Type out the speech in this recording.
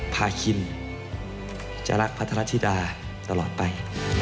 พาคินจะรักพัทรธิดาตลอดไป